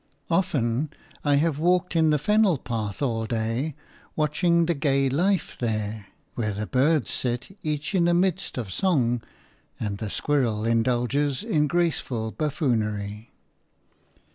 Often I have walked in the fennel path all day, watching the gay life there, where the birds sit each in a mist of song and the squirrel indulges in graceful buffoonery.